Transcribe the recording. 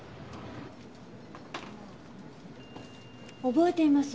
覚えています。